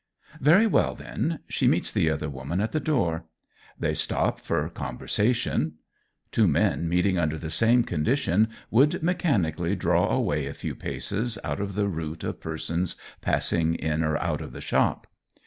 Very well, then, she meets the other woman at the door. They stop for conversation. Two men meeting under the same condition would mechanically draw away a few paces, out of the route of persons passing in or out of the shop.